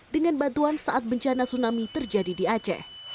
dengan bantuan saat bencana tsunami terjadi di aceh